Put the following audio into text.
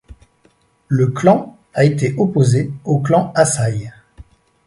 Le clan a été opposé au clan Asai.